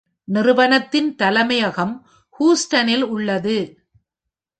நிறுவனத்தின் தலைமையகம் ஹூஸ்டனில் உள்ளது.